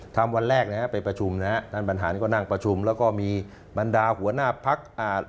ทำวันแรกไปประชุมท่านบรรหารก็นั่งประชุมแล้วก็มีบรรดาหัวหน้าภักดิ์